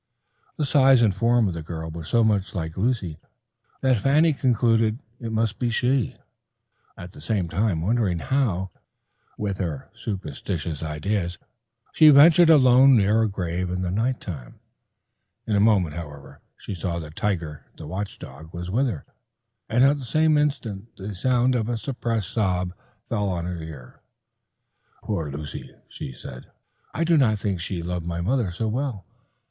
The size and form of the girl were so much like Luce that Fanny concluded it must be she, at the same time wondering how, with her superstitious ideas, she ventured alone near a grave in the night time. In a moment, however, she saw that Tiger, the watch dog, was with her, and at the same instant the sound of a suppressed sob fell on her ear. "Poor Luce," said she, "I did not think she loved my mother so well.